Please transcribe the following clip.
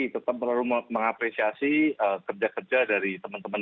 tetap perlu mengapresiasi kerja kerja dari teman teman